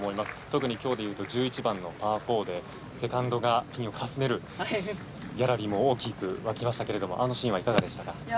特に今日で言うと１１番のパー４でセカンドがピンをかすめるギャラリーも大きく沸きましたがあのシーンはいかがでしたか？